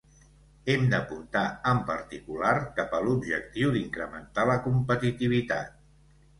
Hem d'apuntar, en particular, cap a l'objectiu d'incrementar la competitivitat